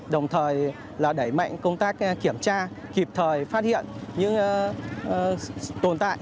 đồng thời là đẩy mạnh công tác kiểm tra kịp thời phát hiện những tồn tại